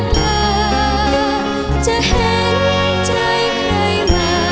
จะเห็นใจใครมาช่วยรักษาแล้วเหลือ